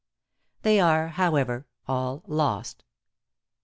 They are, however, all lost.